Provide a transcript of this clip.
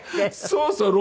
そうそう。